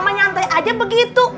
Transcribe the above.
ma nyantai aja begitu